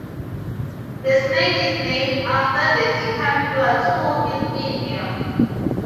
The snake is named after the Deccan plateau in India.